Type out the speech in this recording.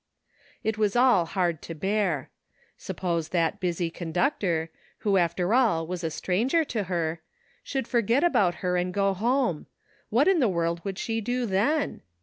It was all hard to bear. Suppose that busy conductor, who after all was a stranger to her, should forget about her and go home ; what in the world should she do then?